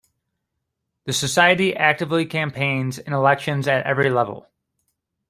The society actively campaigns in elections at every level.